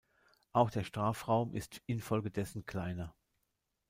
Auch der Strafraum ist infolgedessen kleiner.